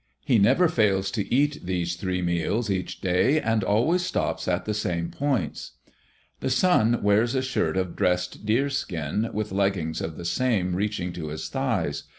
He never fails to eat these three meals each day, and always stops at the same points. The sun wears a shirt of dressed deerskin, with leggings of the same reaching to his thighs.